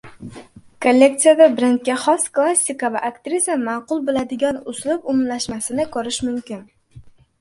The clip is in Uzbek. Kolleksiyada brendga xos klassika va aktrisa ma’qul biladigan uslub umumlashmasini ko‘rish mumkin